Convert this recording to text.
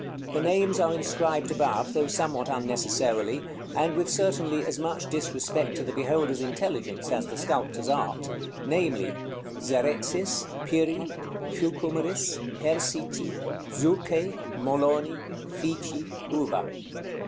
The names are inscribed above, though somewhat unnecessarily, and with certainly as much disrespect to the beholder's intelligence as the sculptor's art, namely, ZEREXIS, PIRI, CHUCUMERIS, PERSICI, ZUCHE, MOLONI, FICI, HUVA.